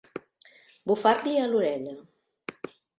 Bufar-li a l'orella.